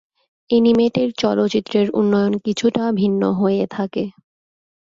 Animated চলচ্চিত্রের উন্নয়ন কিছুটা ভিন্ন হয়ে থাকে।